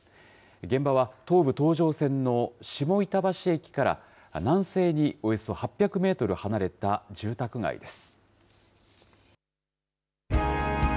現場は、東武東上線の下板橋駅から南西におよそ８００メートル離れた、住宅街です。